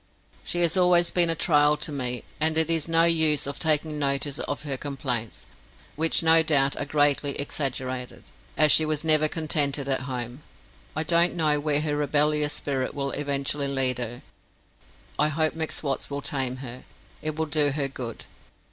She has always been a trial to me, and it is no use of taking notice of her complaints, which no doubt are greatly exaggerated, as she was never contented at home. I don't know where her rebellious spirit will eventually lead her. I hope M'Swat's will tame her; it will do her good.